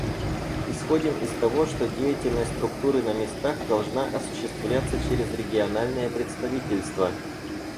Исходим из того, что деятельность Структуры на местах должна осуществляться через региональные представительства.